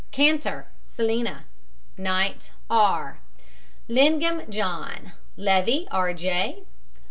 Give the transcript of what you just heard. KANTAR, SELNA. KNIGHT, R. LENGAM, JOHN. LEVY, R. J.